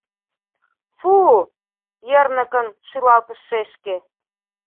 — Фу!.. — йырныкын шӱлалтыш шешке.